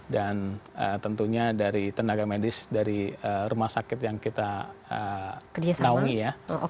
dan tentunya dari tenaga medis dari rumah sakit yang kita naungi ya